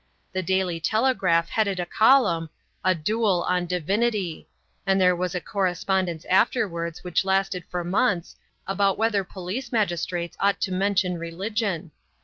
The Daily Telegraph headed a column, "A Duel on Divinity," and there was a correspondence afterwards which lasted for months, about whether police magistrates ought to mention religion.